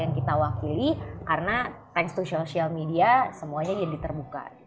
yang kita wakili karena tank social media semuanya jadi terbuka